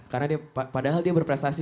karena padahal dia berprestasi